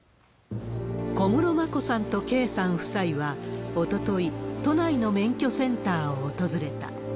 小室眞子さんと圭さん夫妻はおととい、都内の免許センターを訪れた。